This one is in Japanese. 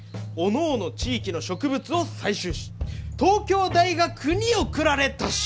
地域の植物を採集し東京大学に送られたし！」。